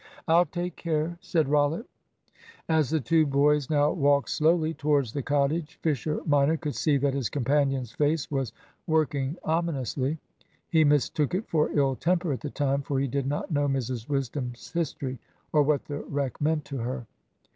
"I'll take care," said Rollitt. As the two boys now walked slowly, towards the cottage, Fisher minor could see that his companion's face was working ominously. He mistook it for ill temper at the time, for he did not know Mrs Wisdom's history, or what the wreck meant to her.